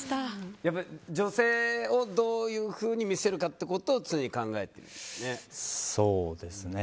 女性をどういうふうに見せるかということを常に考えてるんですね。